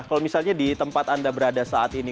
kalau misalnya di tempat anda berada saat ini